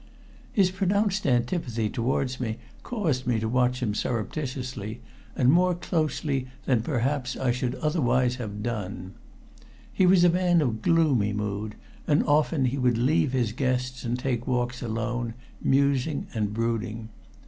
His pronounced antipathy towards me caused me to watch him surreptitiously, and more closely than perhaps I should otherwise have done. He was a man of gloomy mood, and often he would leave his guests and take walks alone, musing and brooding.